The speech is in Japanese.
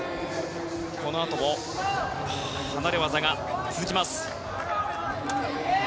このあとも離れ技が続きます。